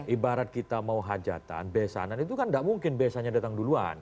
ibarat kita mau hajatan beasanan itu kan gak mungkin beasannya datang duluan